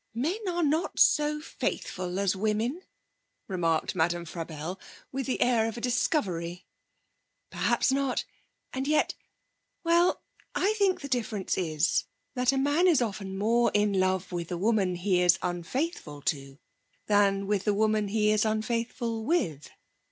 'Men are not so faithful as women,' remarked Madame Frabelle, with the air of a discovery. 'Perhaps not. And yet well, I think the difference is that a man is often more in love with the woman he is unfaithful to than with the woman he is unfaithful with.